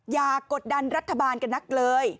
กดดันรัฐบาลกันนักเลย